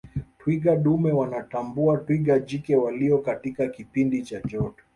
twiga dume wanatambua twiga jike waliyo katika kipindi cha joto